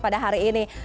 pada hari ini